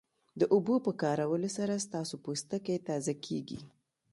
د اوبو په کارولو سره ستاسو پوستکی تازه کیږي